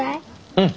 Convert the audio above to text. うん。